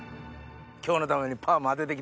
今日のためにパーマあてて来た？